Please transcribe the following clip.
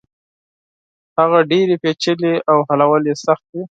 هغه ډېرې پېچلې او حلول يې سخت وي.